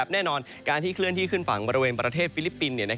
แน่นอนการที่เคลื่อนที่ขึ้นฝั่งบริเวณประเทศฟิลิปปินส์